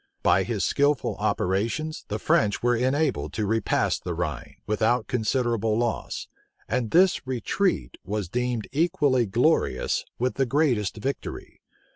By his skilful operations, the French were enabled to repass the Rhine, without considerable loss; and this retreat was deemed equally glorious with the greatest victory.